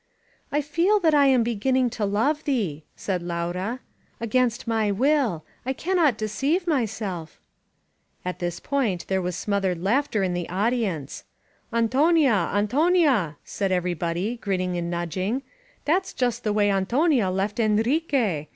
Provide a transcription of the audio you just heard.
*^I feel that I am beginning to love thee," said Laura. Against my will — ^I cannot deceive myself 99 At this point there was smothered laughter in the audience: "Antonia! Antonia!" said everybody, grin ning and nudging. "That's just the way Antonia left Enrique!